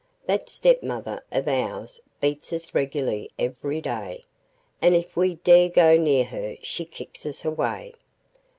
That stepmother of ours beats us regularly every day, and if we dare go near her she kicks us away.